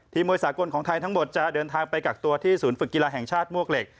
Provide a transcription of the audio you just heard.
มวยสากลของไทยทั้งหมดจะเดินทางไปกักตัวที่ศูนย์ฝึกกีฬาแห่งชาติมวกเหล็ก